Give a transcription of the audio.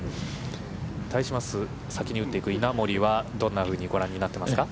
対します先に打っていく稲森はどんなふうにご覧になっていますか。